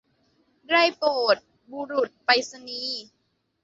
ได้โปรดบุรุษไปรษณีย์